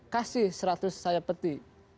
kasih seratus saya peti